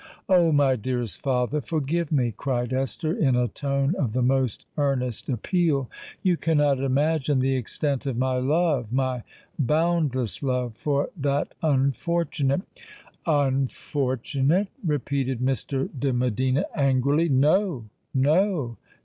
"Oh! my dearest father, forgive me!" cried Esther in a tone of the most earnest appeal. "You cannot imagine the extent of my love—my boundless love—for that unfortunate——" "Unfortunate!" repeated Mr. de Medina angrily: "no—no!